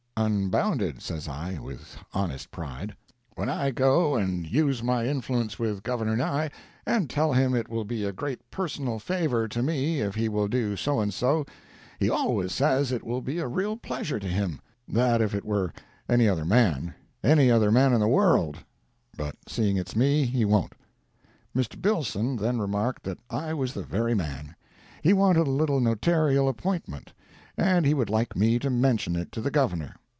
"Unbounded," says I, with honest pride; "when I go and use my influence with Governor Nye, and tell him it will be a great personal favor to me if he will do so and so, he always says it will be a real pleasure to him—that if it were any other man—any other man in the world—but seeing it's me, he wont." Mr. Billson then remarked that I was the very man; he wanted a little notarial appointment, and he would like me to mention it to the Governor.